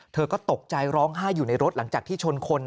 เธอก็ตกใจร้องไห้อยู่ในรถหลังจากที่ชนคน